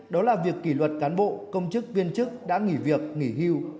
đó là việc kỷ luật cán bộ công chức viên chức đã nghỉ việc nghỉ hưu